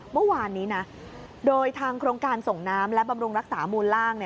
เมื่อวานนี้นะโดยทางโครงการส่งน้ำและบำรุงรักษามูลล่าง